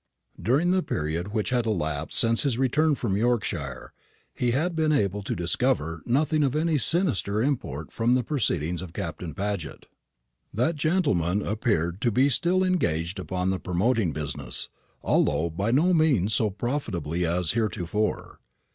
During the period which had elapsed since his return from Yorkshire, he had been able to discover nothing of any sinister import from the proceedings of Captain Paget. That gentleman appeared to be still engaged upon the promoting business, although by no means so profitably as heretofore.